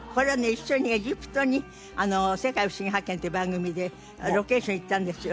一緒にエジプトに『世界ふしぎ発見！』っていう番組でロケーションに行ったんですよ。